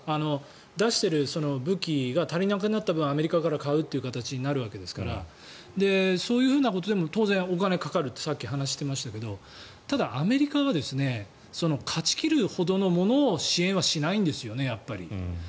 出している武器が足りなくなった分、アメリカから買うという形になるわけですからそういうことでも当然、お金がかかるとさっき話していましたけどただ、アメリカは勝ち切るほどのものを支援はしないんですよねやっぱり。